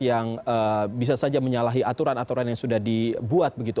yang bisa saja menyalahi aturan aturan yang sudah dibuat begitu